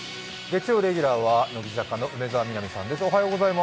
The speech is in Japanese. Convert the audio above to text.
月曜レギュラーは乃木坂の梅澤美波さんです。